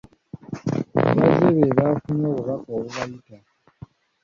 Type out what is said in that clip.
Abazze be baafunye obubaka obubayita.